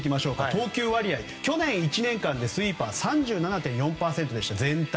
投球割合、去年１年間で全体の中でスイーパーは３７．４％でした。